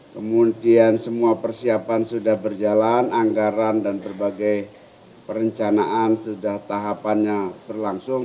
kemudian semua persiapan sudah berjalan anggaran dan berbagai perencanaan sudah tahapannya berlangsung